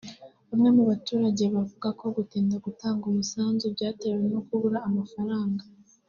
Bamwe mu baturage bavuga ko gutinda gutanga umusanzu byatewe no kubura amafaranga